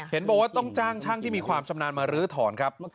เห็นบอกว่าต้องจ้างช่างที่มีความชำนาญมารื้อถอนครับ